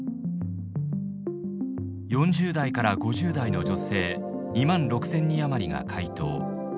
４０代から５０代の女性２万６，０００人余りが回答。